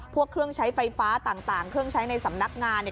พวกเครื่องใช้ไฟฟ้าต่างเครื่องใช้ในสำนักงานเนี่ย